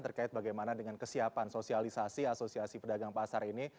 terkait bagaimana dengan kesiapan sosialisasi asosiasi pedagang pasar ini